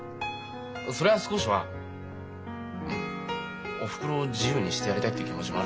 そりゃ少しはおふくろを自由にしてやりたいって気持ちもあるけど。